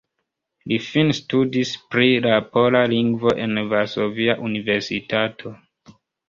Li finstudis pri la pola lingvo en Varsovia Universitato.